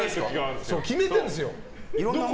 決めてるんですよ。